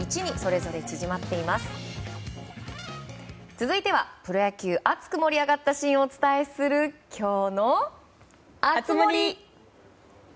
続いてはプロ野球熱く盛り上がったシーンをお伝えする、きょうの熱盛。